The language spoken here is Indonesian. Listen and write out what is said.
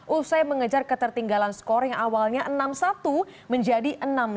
usai mengejar ketertinggalan skor yang awalnya enam satu menjadi enam